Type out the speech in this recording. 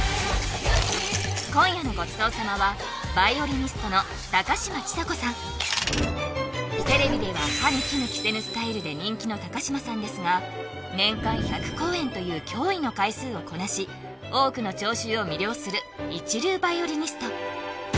今夜のごちそう様はテレビでは歯に衣着せぬスタイルで人気の高嶋さんですが年間１００公演という驚異の回数をこなし多くの聴衆を魅了する一流ヴァイオリニスト